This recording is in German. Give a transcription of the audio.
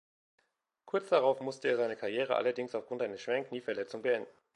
Kurz darauf musste er seine Karriere allerdings aufgrund einer schweren Knieverletzung beenden.